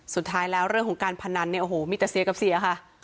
สุดท้ายแล้วเรื่องของการพนันมีแต่เสียกับเสีย